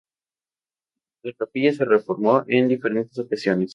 La capilla se reformó en diferentes ocasiones